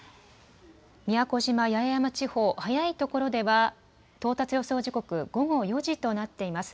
宮古島・八重山地方早い所では到達予想時刻、午後４時となっています。